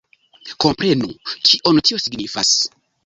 Komprenu, kion tio signifas!